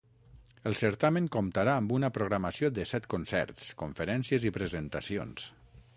El certamen comptarà amb una programació de set concerts, conferències i presentacions.